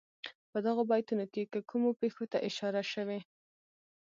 په دغو بیتونو کې کومو پېښو ته اشاره شوې.